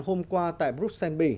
hôm qua tại bruxelles bỉ